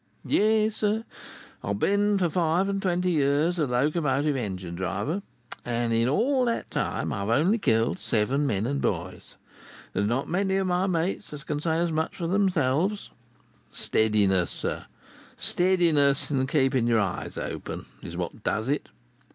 "Yes, sir, I have been for five and twenty years a Locomotive Engine driver; and in all that time, I've only killed seven men and boys. There's not many of my mates as can say as much for themselves. Steadiness, sir—steadiness and keeping your eyes open, is what does it.